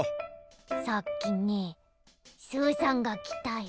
さっきねスーさんがきたよ。